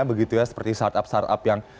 begitu ya seperti startup startup yang